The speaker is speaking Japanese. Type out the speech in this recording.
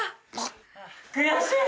悔しい！